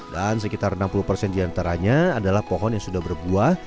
dan sekitar enam puluh persen diantaranya adalah pohon yang sudah berbuah